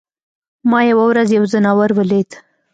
ما یوه ورځ یو ځناور ولید.